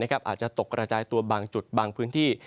อาจจะตกกระจายตัวบางจุดบางพื้นที่